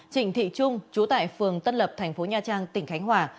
trịnh thị trung chú tại phường tân lập thành phố nha trang tỉnh khánh hòa